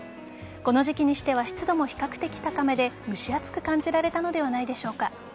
この時期にしては湿度も比較的高めで蒸し暑く感じられたのではないでしょうか。